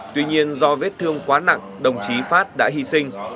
tuy nhiên do vết thương quá nặng đồng chí phát đã hy sinh